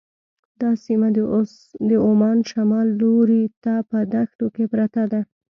دا سیمه د عمان شمال لوري ته په دښتو کې پرته ده.